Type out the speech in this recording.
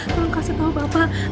tolong kasih tau bapak